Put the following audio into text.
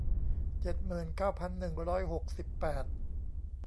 เจ็ดหมื่นเก้าพันหนึ่งร้อยหกสิบแปด